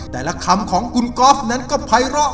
แต่ละคำของคุณกอล์ฟนั้นก็ภัยเลาะ